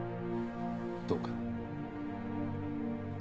どうかな？